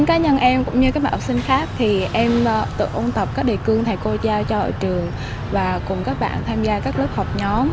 các em tự ôn tập các đề cương thầy cô trao cho trường và cùng các bạn tham gia các lớp học nhóm